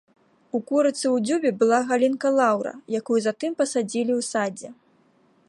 У курыцы ў дзюбе была галінка лаўра, якую затым пасадзілі ў садзе.